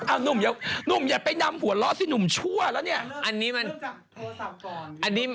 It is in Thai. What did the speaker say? อ้าวนุ่มอย่าไปนำหัวเราะสินุ่มชั่วแล้วเนี่ย